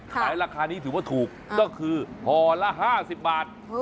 ราคานี้ถือว่าถูกก็คือห่อละ๕๐บาท